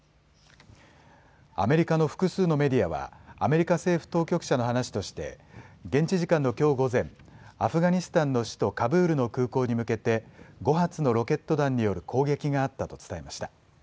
アメリカの複数のメディアは、アメリカ政府当局者の話として現地時間のきょう午前、アフガニスタンの首都カブールの空港に向けて５発のロケット弾による攻撃があったと伝えました。